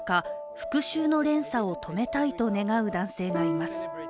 復しゅうの連鎖を止めたいという男性がいます